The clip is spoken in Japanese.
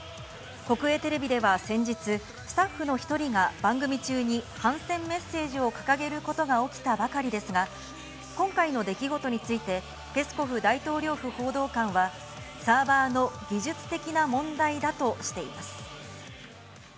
国営テレビでは先日、スタッフの１人が番組中に、反戦メッセージを掲げることが起きたばかりですが、今回の出来事について、ペスコフ大統領府補佐官は、サーバーの技術的な問題だとしています。